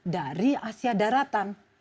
dari asia daratan